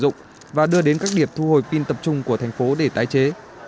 đoàn thanh niên phường đã đưa đến các điểm thu hồi pin tập trung của thành phố để tái chế